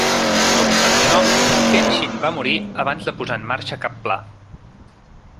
No obstant això, Kenshin va morir abans de posar en marxa cap pla.